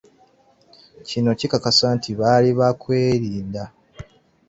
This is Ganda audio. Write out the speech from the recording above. Kino kikakasa nti baali ba byakwerinda.